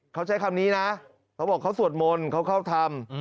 เขาใช้คำนี้นะเขาบอกเขาสวดมนต์เขาเข้าธรรม